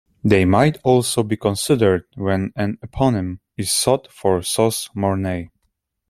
They might also be considered, when an eponym is sought for "sauce Mornay".